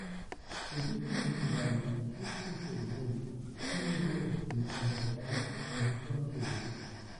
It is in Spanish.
Se cree que Chris Ryan es un seudónimo, siendo su nombre real desconocido.